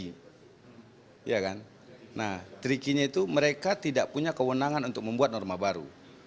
iya kan nah trickiness itu mereka tidak punya kewenangan untuk membuat norma baru